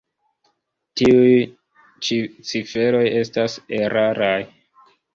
Tiuj ciferoj estas eraraj.